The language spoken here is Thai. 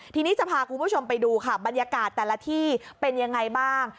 ทีนี้จะพาคุณผู้ชมไปดูค่ะบรรยากาศแต่ละที่เป็นยังไงบ้าง